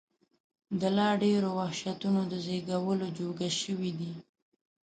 د لا ډېرو وحشتونو د زېږولو جوګه شوي دي.